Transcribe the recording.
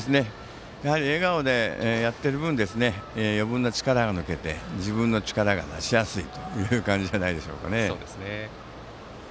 笑顔でやっている分余分な力が抜けて自分の力が出しやすいという感じじゃないでしょうか。